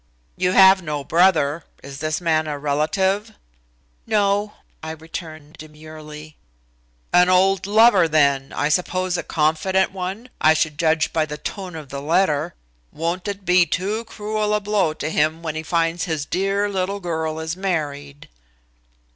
"You have no brother. Is this man a relative?" "No," I returned demurely. "An old lover then, I suppose a confident one, I should judge by the tone of the letter. Won't it be too cruel a blow to him when he finds his dear little girl is married?"